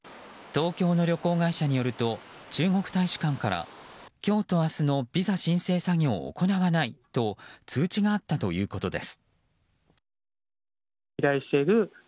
東京の旅行会社によると中国大使館から今日と明日のビザ申請作業を行わないと通知があったということです。